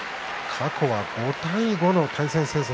過去は５対５の対戦成績。